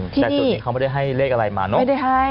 แต่จุดนี้เขาไม่ได้ให้เลขอะไรมาเนอะ